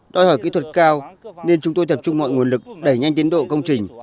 đòi hỏi kỹ thuật cao nên chúng tôi tập trung mọi nguồn lực đẩy nhanh tiến độ công trình